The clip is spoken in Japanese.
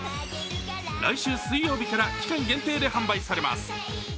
来週水曜日から期間限定で販売されます。